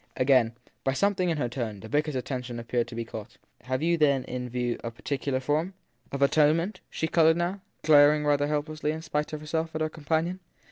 Again, by something in her tone, the vicar s attention appeared to be caught. Have you then in view a particular form ? Of atonement ? She coloured now, glaring rather help lessly, in spite of herself, at her companion.